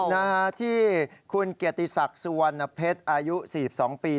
นะฮะที่คุณเกียรติศักดิ์สุวรรณเพชรอายุ๔๒ปี